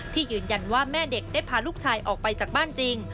ยืนยันว่าแม่เด็กได้พาลูกชายออกไปจากบ้านจริง